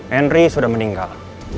henry sudah meninggal